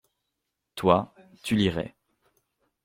Toi, tu lirais.